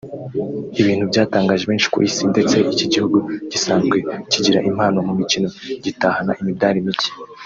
ibintu byatangaje benshi ku isi ndetse iki gihugu gisanzwe kigira impano mu mikino gitahana imidali mike